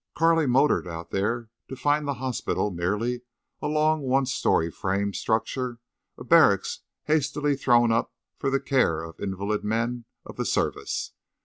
Carley motored out there to find the hospital merely a long one story frame structure, a barracks hastily thrown up for the care of invalided men of the service.